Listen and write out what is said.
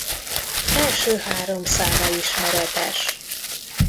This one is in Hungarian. Első három száma ismeretes.